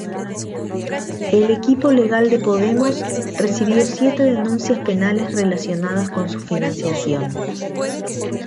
El equipo legal de Podemos recibió siete denuncias penales relacionadas con su financiación.